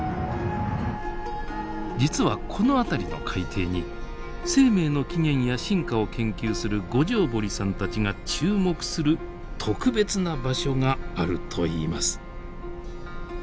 実はこの辺りの海底に生命の起源や進化を研究する五條堀さんたちが注目する特別な場所があるといいます。